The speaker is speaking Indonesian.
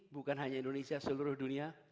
bukan hanya indonesia seluruh dunia